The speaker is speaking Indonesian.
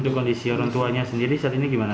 untuk kondisi orang tuanya sendiri saat ini gimana